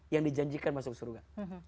yang dijanjikan masuk surga